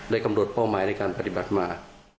กำหนดเป้าหมายในการปฏิบัติมา